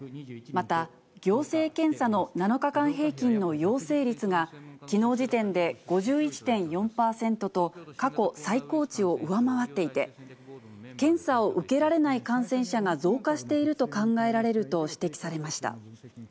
また、行政検査の７日間平均の陽性率が、きのう時点で５１．４％と、過去最高値を上回っていて、検査を受けられない感染者が増加していると考えられると指摘されました。